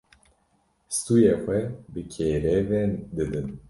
Stûyê xwe bi kêrê ve didin.